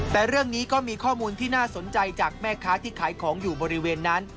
แต่เรื่องนี้ก็มีข้อมูลที่น่าสนใจจากแม่ค้าที่ขายของอยู่บริเวณนั้น